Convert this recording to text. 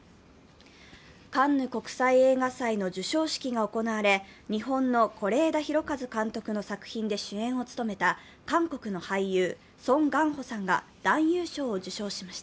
カンヌ国際映画祭の授賞式が行われ日本の是枝裕和監督の作品で主演を務めた韓国の俳優、ソン・ガンホさんが男優賞を受賞しまし